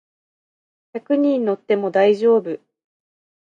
百人乗っても大丈夫